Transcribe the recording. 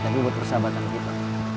tapi buat persahabatan kita